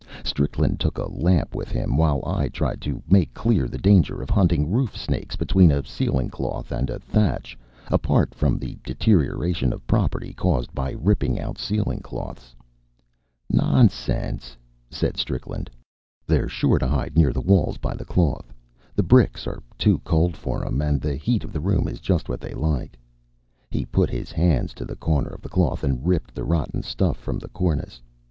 Strickland took a lamp with him, while I tried to make clear the danger of hunting roof snakes between a ceiling cloth and a thatch, apart from the deterioration of property caused by ripping out ceiling cloths. "N o n s en s e," said Strickland. "They're sure to hide near the walls by the cloth. The bricks are too cold for 'em, and the heat of the room is just what they like." He put his hands to the corner of the cloth and ripped the rotten stuff from the cornice.